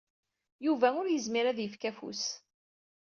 Yuba ur yezmir ad d-yefk afus.